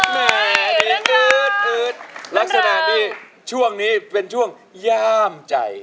แหมดีอืดอืดลักษณะนี้ช่วงนี้เป็นช่วงย่ามใจ